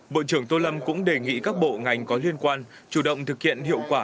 bộ trưởng tô lâm cũng đề nghị các bộ ngành có liên quan chủ động thực hiện hiệu quả